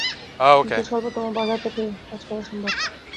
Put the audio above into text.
কিন্তু স্বল্পতম বাধার পথেই কাজ করা সম্ভব।